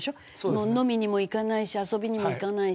飲みにも行かないし遊びにも行かないし。